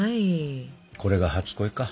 これが初恋か。